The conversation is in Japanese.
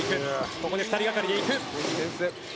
ここで２人がかりで行く。